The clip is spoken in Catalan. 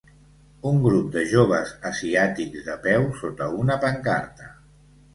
Un grup de joves asiàtics de peu sota una pancarta.